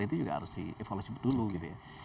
itu juga harus di evaluasi dulu gitu ya